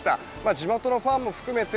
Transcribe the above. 地元のファンも含めて